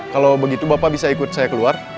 kalau begitu bapak bisa ikut saya keluar